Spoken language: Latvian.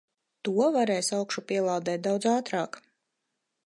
To varēs augšupielādēt daudz ātrāk.